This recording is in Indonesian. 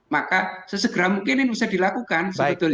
maka sesegera mungkin ini bisa dilakukan sebetulnya